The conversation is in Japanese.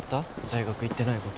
大学行ってない事。